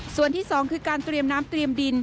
ส่วนที่๒คือการเตรียมน้ำเตรียมดิน